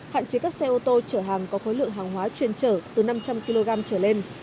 hạn chế các xe ô tô chở hàng có khối lượng hàng hóa chuyên trở từ năm trăm linh kg trở lên